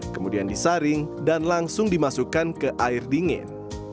kemudian disaring dan langsung dimasukkan ke air dingin